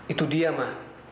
itu dia ma